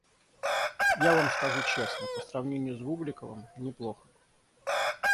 Я Вам скажу честно: по сравнению с Бубликовым - неплохо.